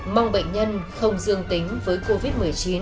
mong bệnh nhân không dương tính với covid một mươi chín